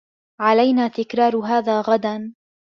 علينا تكرار هذا غدا.